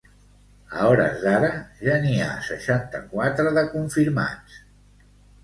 A hores d’ara ja n’hi ha seixanta-quatre de confirmats.